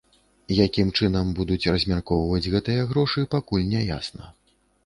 Якім чынам будуць размяркоўваць гэтыя грошы, пакуль не ясна.